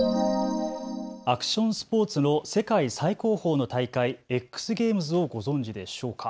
アクションスポーツの世界最高峰の大会、Ｘゲームズをご存じでしょうか。